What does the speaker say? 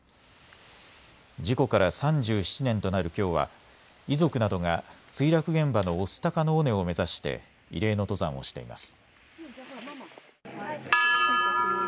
事故から３７年となるきょうは遺族などが墜落現場の御巣鷹の尾根を目指して慰霊の登山をしています。